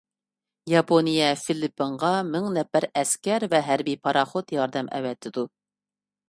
ياپونىيە فىلىپپىنغا مىڭ نەپەر ئەسكەر ۋە ھەربىي پاراخوت ياردەم ئەۋەتىدۇ.